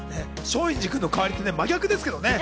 松陰寺君の代わりといっても真逆ですけれどもね。